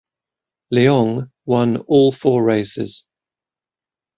Leong won all four races.